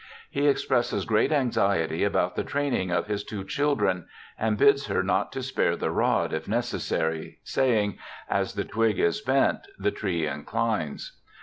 He expresses great anxiety about the training of his two children, and bids her not to spare the rod if necessary, saying, ' as the twig is bent the tree inclines.'